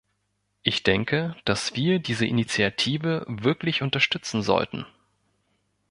Ich denke, dass wir diese Initiative wirklich unterstützen sollten.